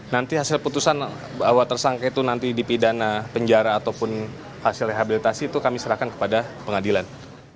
nanti hasil putusan bahwa tersangka itu nanti dipidana penjara ataupun hasil rehabilitasi itu kami serahkan kepada pengadilan